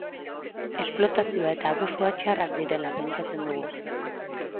Esplotazioa eta abusua txarrak direla pentsatzen dugu.